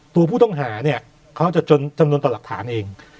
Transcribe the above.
ตัวผู้ต้องหาจะจำนวนต่อหลักฐานเอง